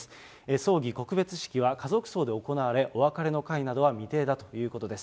葬儀、告別式は家族葬で行われ、お別れの会などは未定だということです。